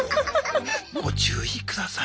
ご注意ください。